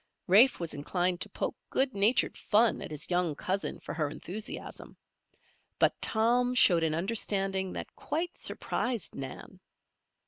Rafe was inclined to poke good natured fun at his young cousin for her enthusiasm; but Tom showed an understanding that quite surprised Nan.